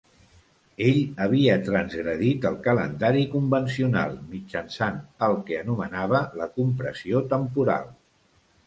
Ell havia transgredit el calendari convencional mitjançant el que anomenava la compressió temporal.